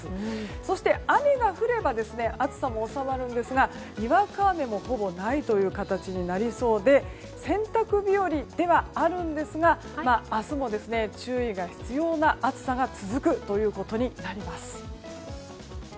そして雨が降れば暑さも収まるんですがにわか雨もほぼないという形になりそうで洗濯日和ではあるんですが明日も注意が必要な暑さが続くことになります。